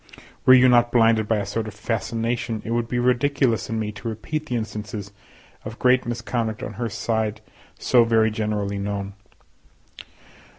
Were you not blinded by a sort of fascination, it would be ridiculous in me to repeat the instances of great misconduct on her side so very generally known.